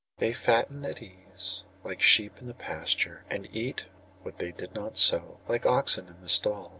They fatten at ease, like sheep in the pasture, and eat what they did not sow, like oxen in the stall.